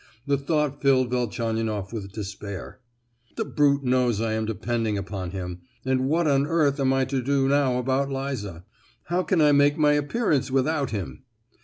The thought filled Velchaninoff with despair. "The brute knows I am depending upon him—and what on earth am I to do now about Liza? How can I make my appearance without him?"